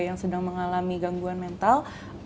yang sedang mengalami gangguan mental